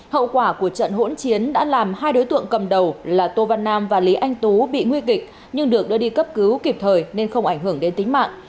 hậu quả của trận hỗn chiến đã làm hai đối tượng cầm đầu là tô văn nam và lý anh tú bị nguy kịch nhưng được đưa đi cấp cứu kịp thời nên không ảnh hưởng đến tính mạng